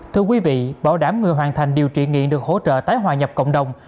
thưa quý vị bảo đảm người hoàn thành điều trị nghiện được hỗ trợ tái hòa nhập cộng đồng